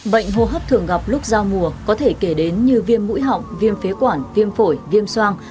bệnh hô hấp thường gặp lúc giao mùa có thể kể đến như viêm mũi họng viêm phế quản viêm phổi viêm soang